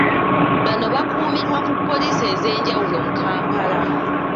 Bano bakuumirwa ku poliisi ez’enjawulo mu Kampala.